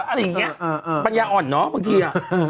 อะไรอย่างนี้ปัญญาอ่อนเนาะบางทีอ่ะ